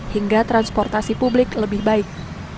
hingga transportasi publik lebih baik